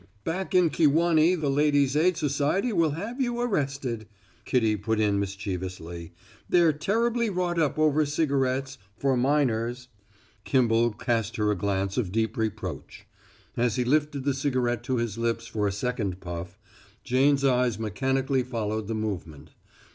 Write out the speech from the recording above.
"Back in Kewanee the Ladies' Aid Society will have you arrested," Kitty put in mischievously. "They're terribly wrought up over cigarettes for minors." Kimball cast her a glance of deep reproach. As he lifted the cigarette to his lips for a second puff, Jane's eyes mechanically followed the movement.